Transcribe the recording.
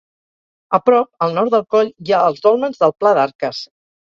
A prop al nord del coll hi ha els Dòlmens del Pla d'Arques.